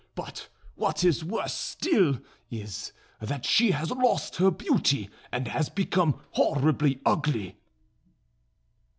But what is worse still is, that she has lost her beauty and has become horribly ugly."